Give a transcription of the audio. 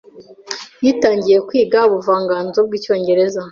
Yitangiye kwiga ubuvanganzo bw'icyongereza.